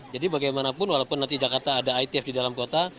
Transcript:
jadi bagaimanapun walaupun nanti jakarta ada itf di dalam kota